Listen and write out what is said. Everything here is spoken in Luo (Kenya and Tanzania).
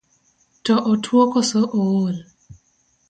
To otuo kose ool?